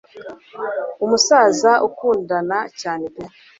umusaza akundana cyane pe